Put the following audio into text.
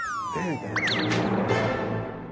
みたいな。